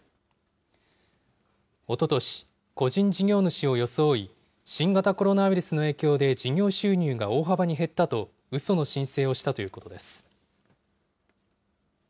おととし、個人事業主を装い、新型コロナウイルスの影響で事業収入が大幅に減ったと、うその申請をしたということです。